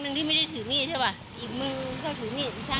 หนึ่งที่ไม่ได้ถือมีใช่ป่ะอีกมือก็ถือมีอีกข้าง